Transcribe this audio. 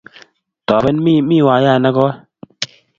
topen mii miwayat nekoi